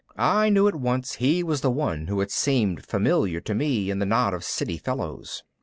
I knew at one he was the one who had seemed familiar to me in the knot of City fellows.